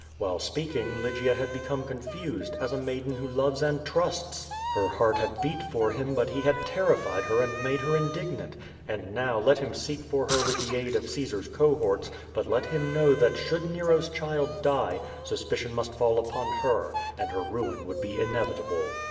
While speaking Lygia had become con fused, as a maiden who loves and trusts. Her heart had beat for him but he had terrified her and made her indignant — QUO VADIS. 97 and now let him seek for her with the aid of Caesar's cohorts, but let him know that should Nero's child die, suspicion must fall upon her, and her ruin would be inevitable.